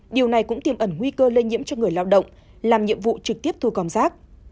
điều này cũng tiềm ẩn nguy cơ lây nhiễm cho người lao động làm nhiệm vụ trực tiếp thu gom rác